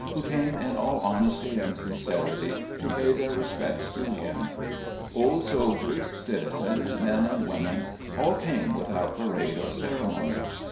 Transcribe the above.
172 RECOLLECTIONS OP GENERAL LEE came in all honesty and sincerity to pay their respects to him. Old soldiers, citizens, men and women, all came without parade or ceremony.